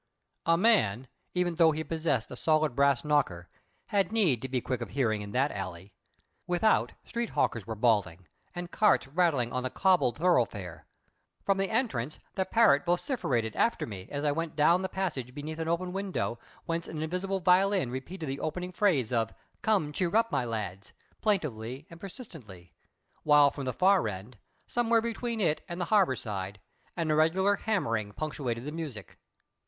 A man, even though he possessed a solid brass knocker, had need to be quick of hearing in that alley. Without, street hawkers were bawling and carts rattling on the cobbled thoroughfare; from the entrance the parrot vociferated after me as I went down the passage beneath an open window whence an invisible violin repeated the opening phrase of "Come, cheer up, my lads!" plaintively and persistently; while from the far end, somewhere between it and the harbour side, an irregular hammering punctuated the music.